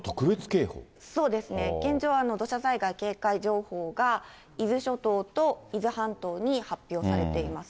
そうですね、現状、土砂災害警戒情報が、伊豆諸島と伊豆半島に発表されています。